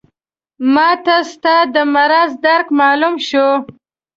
ماته ستا د مرض درک معلوم شو.